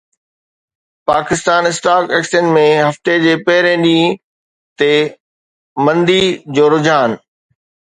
Pakistan stock exchange ۾ هفتي جي پهرين ڏينهن تي مندي جو رجحان